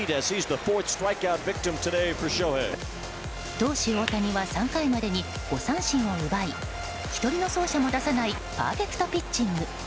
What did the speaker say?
投手・大谷は３回までに５三振を奪い１人の走者も出さないパーフェクトピッチング。